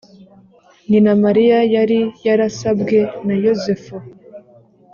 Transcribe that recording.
Nyina Mariya yari yarasabwe na Yosefu,